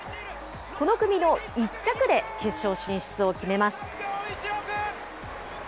この組の１着で決勝進出を決めます。